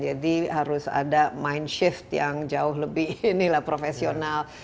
jadi harus ada mind shift yang jauh lebih profesional